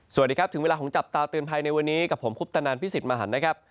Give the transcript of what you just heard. สวัสดีครับถึงเวลาของจับตาเตือนภัยในวันนี้กับผมคุปตนันพิสิทธิ์มหันนะครับ